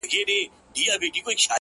o د مرور روح د پخلا وجود کانې دي ته ـ